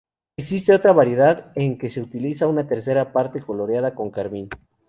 Existe otra variedad en que se utiliza una tercera parte coloreada con carmín.